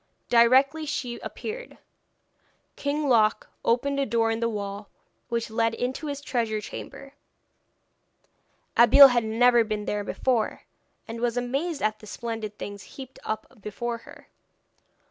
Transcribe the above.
Directly she appeared, King Loc opened a door in the wall which led into his treasure chamber. Abeille had never been there before, and was amazed at the splendid things heaped up before her.